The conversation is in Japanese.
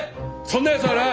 そんなやつはな